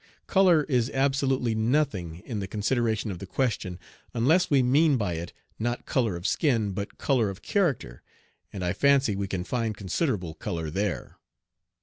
Color is absolutely nothing in the consideration of the question, unless we mean by it not color of skin, but color of character, and I fancy we can find considerable color there.